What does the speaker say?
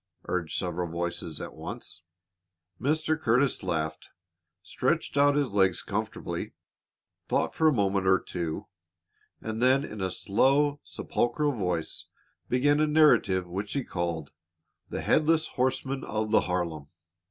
urged several voices at once. Mr. Curtis laughed, stretched out his legs comfortably, thought for a minute or two, and then in a slow, sepulchral voice began a narrative which he called "The Headless Horseman of the Harlem."